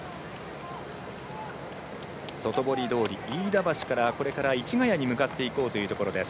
外堀通り、飯田橋から市谷に向かっていこうというところです。